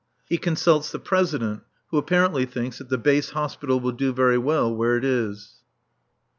He consults the President, who apparently thinks that the base hospital will do very well where it is.